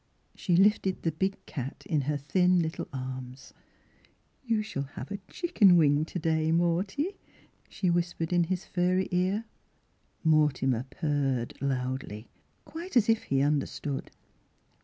She lifted the big cat in her thin little arms. " You shall have a chicken wing to day, Morty," she whispered in his furry ear. Mortimer purred loudly, quite as if he understood.